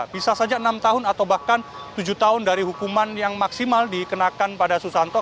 bisa saja enam tahun atau bahkan tujuh tahun dari hukuman yang maksimal dikenakan pada susanto